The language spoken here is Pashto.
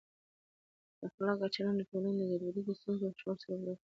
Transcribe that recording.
بې اخلاقه چلند د ټولنې د ګډوډۍ، ستونزو او شخړو سبب ګرځي.